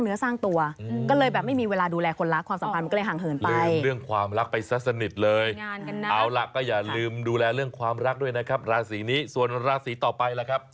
เอาล่ะก็อย่าลืมดูแลเรื่องความรักด้วยนะครับราศีนี้ส่วนราศีต่อไปล่ะครับ